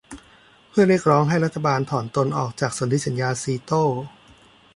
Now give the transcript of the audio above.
เพื่อเรียกร้องให้รัฐบาลถอนตนออกจากสนธิสัญญาซีโต้